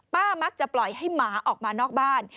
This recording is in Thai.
มักจะปล่อยให้หมาออกมานอกบ้าน